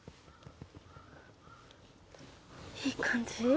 いい感じ？